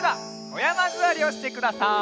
おやまずわりをしてください。